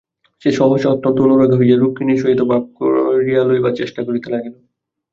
সে সহসা অত্যন্ত অনুরাগ দেখাইয়া রুক্মিণীর সহিত ভাব করিয়া লইবার চেষ্টা করিতে লাগিল।